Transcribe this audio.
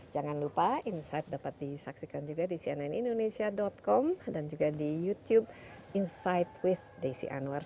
jangan lupa insight dapat disaksikan juga di cnnindonesia com dan juga di youtube insight with desi anwar